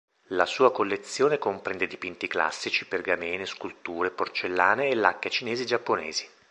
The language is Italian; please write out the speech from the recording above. La sua collezione comprende dipinti classici, pergamene, sculture, porcellane e lacche cinesi e giapponesi.